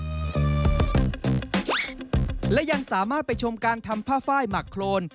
ในหมู่บ้านด้วยครับและยังสามารถไปชมการทำผ้าไฟมักโครน